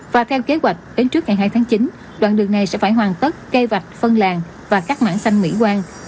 và theo kế hoạch đến trước ngày hai tháng chín đoạn đường này sẽ phải hoàn tất cây vạch phân làng và các mảng xanh mỹ quan